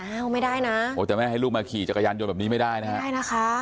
อ้าวไม่ได้นะแต่แม่ให้ลูกมาขี่จักรยานยนต์แบบนี้ไม่ได้นะฮะ